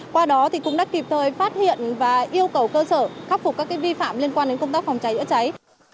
qua đó cũng đã kịp thời phát hiện và yêu cầu cơ sở khắc phục các vi phạm liên quan đến công tác phòng cháy chữa cháy